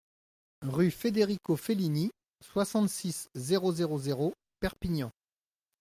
Rue Federico Fellini, soixante-six, zéro zéro zéro Perpignan